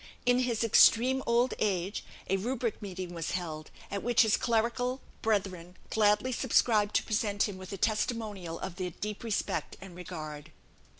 In his extreme old age, a rubric meeting was held, at which his clerical brethren gladly subscribed to present him with a testimonial of their deep respect and regard.